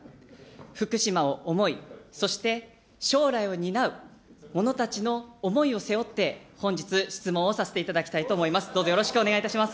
福島を思い、そして将来を担う者たちの思いを背負って、本日、質問をさせていただきたいと思います。